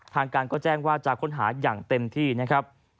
ทางการก็แจ้งว่าจะค้นหาอย่างเต็มที่นะครับ